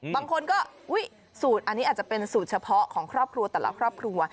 บางคนก็อุ๊ยสูตรอันนี้อาจจะเป็นสูตรเฉพาะของครอบครัวแต่ละครอบครัว